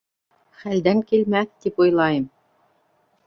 Хәлдән килмәҫ, тип уйлайым